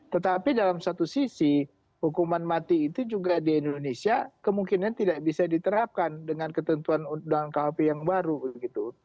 tetapi dalam satu sisi hukuman mati itu juga di indonesia kemungkinan tidak bisa diterapkan dengan ketentuan undang khp yang baru begitu